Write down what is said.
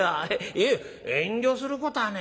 いや遠慮することはねえ。